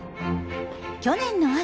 去年の秋